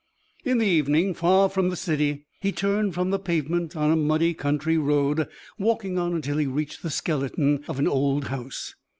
In the evening, far from the city, he turned from the pavement on a muddy country road, walking on until he reached the skeleton of an old house.